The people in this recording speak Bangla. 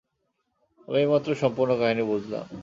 আমি এইমাত্র সম্পূর্ণ কাহিনী বুঝলাম।